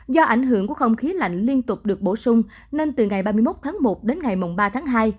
do ảnh hưởng của không khí lạnh liên tục được bổ sung nên từ ngày ba mươi một tháng một đến ngày ba tháng hai